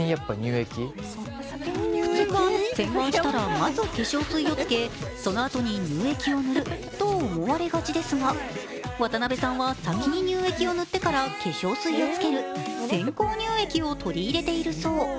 まず化粧水をつけそのあとに乳液を塗ると思われがちですが、渡辺さんは先に乳液を塗ってから化粧水をつける先行乳液を取り入れているそう。